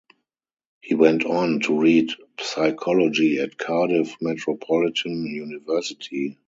He went on to read Psychology at Cardiff Metropolitan University.